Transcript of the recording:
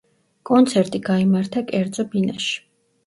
კონცერტი გაიმართა კერძო ბინაში.